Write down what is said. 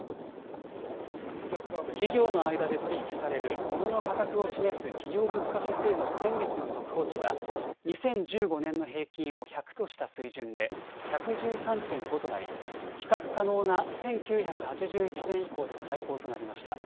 企業の間で取り引きされるモノの価格を示す企業物価指数の先月の速報値は２０１５年の平均を１００とした水準で１１３．５となり、比較可能な１９８１年以降で最高となりました。